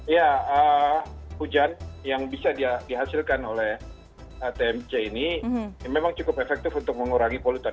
ya hujan yang bisa dihasilkan oleh tmc ini memang cukup efektif untuk mengurangi polutan